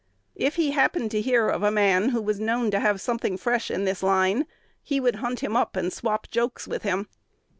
If he happened to hear of a man who was known to have something fresh in this line, he would hunt him up, and "swap jokes" with him.